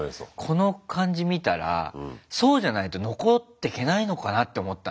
この感じ見たらそうじゃないと残ってけないのかなって思ったね。